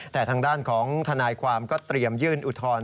แต่ทางด้านของทนายความก็เตรียมยื่นอุทธรณ์